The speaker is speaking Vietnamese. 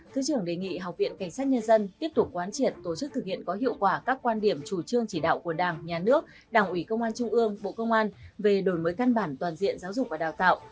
thứ trưởng đề nghị học viện cảnh sát nhân dân tiếp tục quán triệt tổ chức thực hiện có hiệu quả các quan điểm chủ trương chỉ đạo của đảng nhà nước đảng ủy công an trung ương bộ công an về đổi mới căn bản toàn diện giáo dục và đào tạo